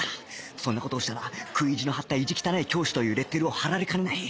そんな事をしたら食い意地の張った意地汚い教師というレッテルを貼られかねない